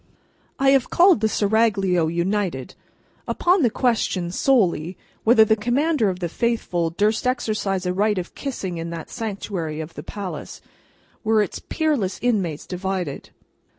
I have called the Seraglio, united. Upon the question, solely, whether the Commander of the Faithful durst exercise a right of kissing in that sanctuary of the palace, were its peerless inmates divided.